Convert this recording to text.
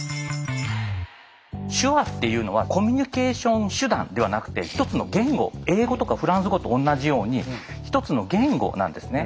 手話っていうのはコミュニケーション手段ではなくて１つの言語英語とかフランス語と同じように１つの言語なんですね。